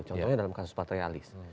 contohnya dalam kasus patrialis